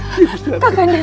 ya tuhan tuhan